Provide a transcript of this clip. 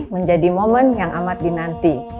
menjadi momen yang amat dinanti